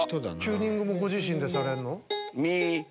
チューニングもご自身でされるの。